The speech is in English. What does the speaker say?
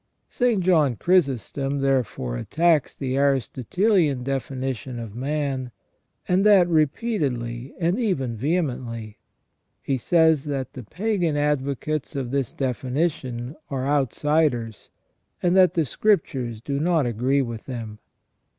St. John Chrysostom therefore attacks the Aristotelian defi nition of man, and that repeatedly and even vehemently. He says that the pagan advocates of this definition are outsiders, and that the Scriptures do not agree with them.